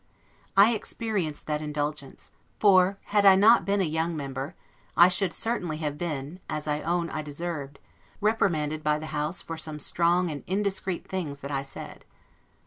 I experienced that indulgence; for had I not been a young member, I should certainly have been, as I own I deserved, reprimanded by the House for some strong and indiscreet things that I said.